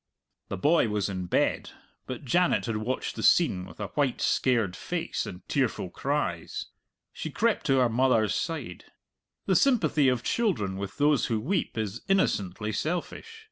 The boy was in bed, but Janet had watched the scene with a white, scared face and tearful cries. She crept to her mother's side. The sympathy of children with those who weep is innocently selfish.